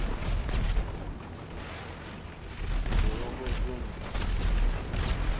Jɔǃ́ɔ́ŋɡɔ́ jóndì.